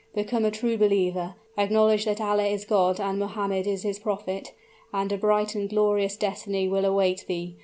Become a true believer acknowledge that Allah is God and Mohammed is his prophet and a bright and glorious destiny will await thee.